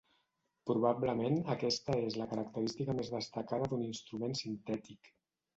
Probablement aquesta és la característica més destacada d'un instrument sintètic.